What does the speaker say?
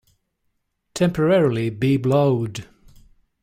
Temporarily be blowed.